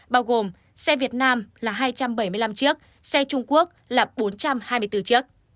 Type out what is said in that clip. bao gồm xe việt nam là hai trăm bảy mươi năm chiếc xe trung quốc là bốn trăm hai mươi bốn chiếc